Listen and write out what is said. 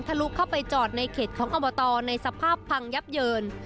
ลุเข้าไปจอดในเขตของอบตในสภาพพังยับเยิน